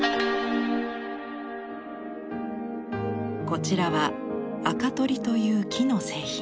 こちらは「垢取り」という木の製品。